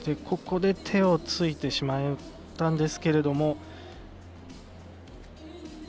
ここで手をついてしまったんですけれども。